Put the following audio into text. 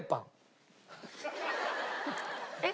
えっ？